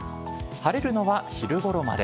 晴れるのは昼ごろまで。